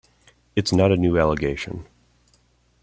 It's not a new allegation.